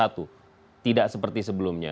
tidak seperti sebelumnya